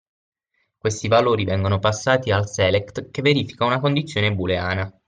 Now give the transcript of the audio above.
Questi valori vengono passati al Select che verifica una condizione booleana.